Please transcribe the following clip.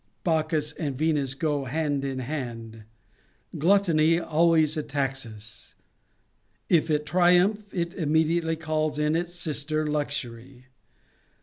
Bacchus and Venus go hand in hand. Gluttony always attacks us; if it triumph, it immediately calls in its sister Luxury.